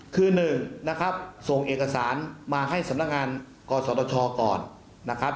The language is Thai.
คือ๑นะครับส่งเอกสารมาให้สำนักงานกศตชก่อนนะครับ